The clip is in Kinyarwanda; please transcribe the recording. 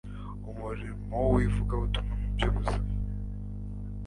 umurimo wivugabutumwa mu byubuzima